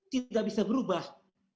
tidak bisa berubah